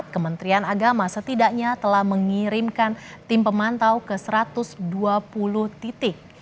kementerian agama setidaknya telah mengirimkan tim pemantau ke satu ratus dua puluh titik